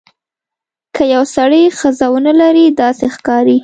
که یو سړی ښځه ونه لري داسې ښکاري.